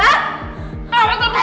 nggak berhenti berhenti